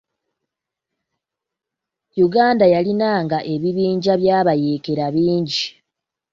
Uganda yalinanga ebibinja by'abayekera bingi.